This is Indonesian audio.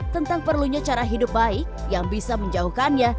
tentang perlunya cara hidup baik yang bisa menjauhkannya